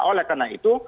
oleh karena itu